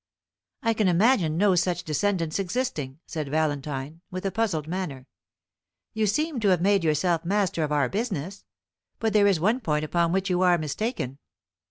"I can imagine no such descendants existing," said Valentine, with a puzzled manner. "You seem to have made yourself master of our business; but there is one point upon which you are mistaken.